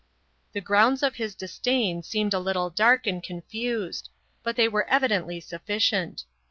The grounds of his disdain seemed a little dark and confused; but they were evidently sufficient.